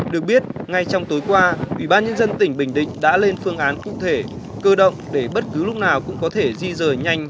được biết ngay trong tối qua ủy ban nhân dân tỉnh bình định đã lên phương án cụ thể cơ động để bất cứ lúc nào cũng có thể di rời nhanh